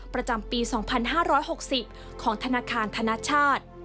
ประจำปี๒๕๖๐ของธนาคารธนชาติ